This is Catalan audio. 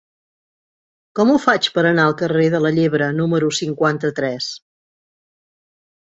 Com ho faig per anar al carrer de la Llebre número cinquanta-tres?